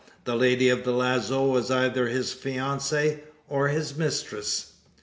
The lady of the lazo was either his fiancee, or his mistress!